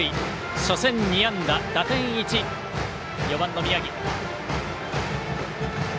初戦２安打打点１、４番の宮城。